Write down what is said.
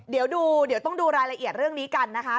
เดี๋ยวดูเดี๋ยวต้องดูรายละเอียดเรื่องนี้กันนะคะ